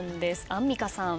アンミカさん。